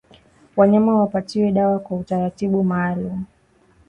Wanyama wapatiwe dawa kwa utaratibu maalumu